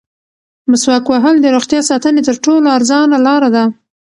مسواک وهل د روغتیا ساتنې تر ټولو ارزانه لاره ده.